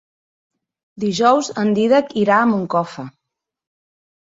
Dijous en Dídac irà a Moncofa.